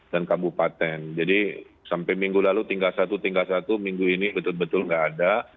dan kabupaten jadi sampai minggu lalu tinggal satu tinggal satu minggu ini betul betul nggak ada